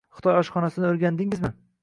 - Xitoy oshxonasini o'rgandingizmi?